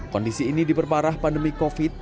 kondisi ini diperparah pandemi covid sembilan belas